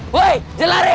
woy jangan lari